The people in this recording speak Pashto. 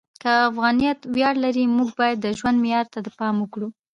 که افغانیت ویاړ لري، موږ باید د ژوند معیار ته پام وکړو.